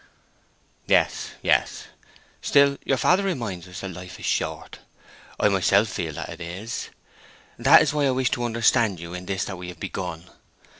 "Yes, yes. Still, your father reminds us that life is short. I myself feel that it is; that is why I wished to understand you in this that we have begun.